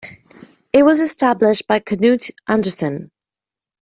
It was established by Canute Anderson.